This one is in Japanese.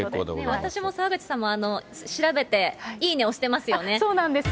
私も澤口さんも調べて、いいそうなんですよ。